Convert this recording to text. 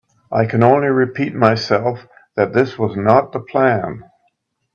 I can only repeat myself that this was not the plan.